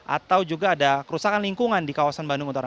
atau juga ada kerusakan lingkungan di kawasan bandung utara